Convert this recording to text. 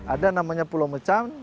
ada namanya pulau mecam